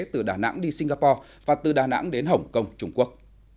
từ đà nẵng đi singapore và từ đà nẵng đến hồng kông trung quốc